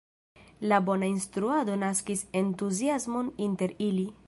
La bona instruado naskis entuziasmon inter ili.